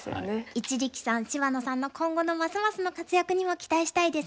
一力さん芝野さんの今後のますますの活躍にも期待したいですね。